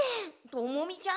トモミちゃん？